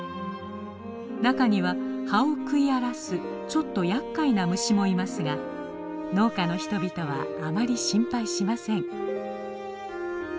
中には葉を食い荒らすちょっとやっかいな虫もいますが農家の人々はあまり心配しません。